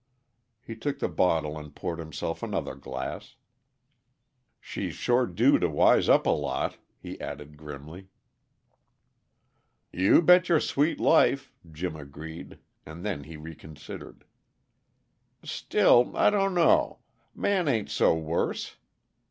He took the bottle and poured himself another glass. "She's sure due to wise up a lot," he added grimly. "You bet your sweet life!" Jim agreed, and then he reconsidered. "Still, I dunno; Man ain't so worse.